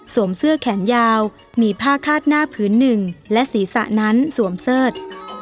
เสื้อแขนยาวมีผ้าคาดหน้าผืนหนึ่งและศีรษะนั้นสวมเสิร์ช